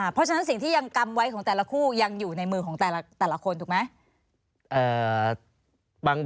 เพราะฉะนั้นสิ่งที่ยังกำไว้ของแต่ละคู่ยังอยู่ในมือของแต่ละคนถูกไหม